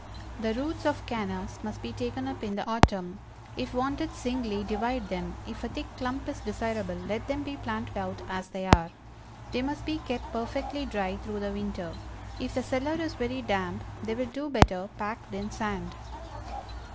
The roots of Cannas must be taken up in the autumn. If wanted singly, divide them, if a thick clump is desirable let them be planted out as they are. They must be kept perfectly dry through the winter; if the cellar is very damp they will do better packed in sand.